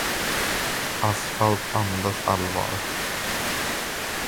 Asfalt andas allvar.